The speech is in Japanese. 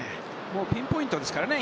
ピンポイントですからね